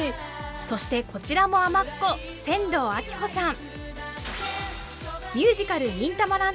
そしてこちらも尼っ子千堂あきほさん。